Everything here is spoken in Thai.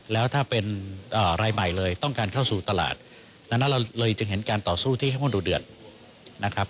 แล้วถ้าเป็นรายใหม่เลยต้องการเข้าสู่ตลาดดังนั้นเราเลยจึงเห็นการต่อสู้ที่เข้มงวดดูเดือดนะครับ